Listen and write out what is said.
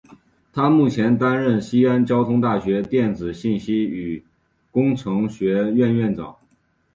他目前担任西安交通大学电子信息与工程学院院长。